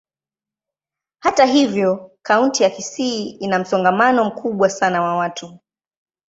Hata hivyo, kaunti ya Kisii ina msongamano mkubwa sana wa watu.